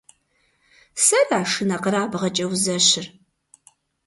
Сэра шынэкъэрабгъэкӀэ узэщыр?!